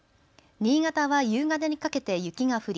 新潟は夕方にかけて雪が降り